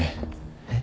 えっ？